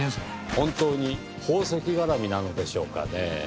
本当に宝石絡みなのでしょうかねぇ。